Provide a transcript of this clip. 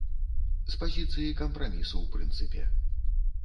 З пазіцыі кампрамісу ў прынцыпе.